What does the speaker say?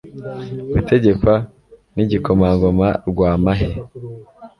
gutegekwa n'igikomangoma rwamahe